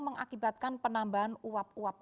mengakibatkan penambahan uap uap